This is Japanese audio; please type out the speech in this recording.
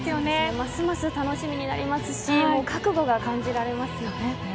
ますます楽しみになりますし覚悟が感じられますよね。